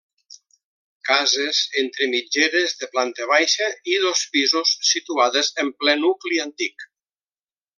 Cases entre mitgeres de planta baixa i dos pisos situades en ple nucli antic.